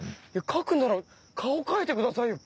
描くなら顔描いてくださいよ。